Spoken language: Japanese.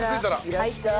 いらっしゃい。